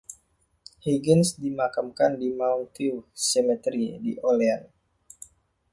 Higgins dimakamkan di Mount View Cemetery di Olean.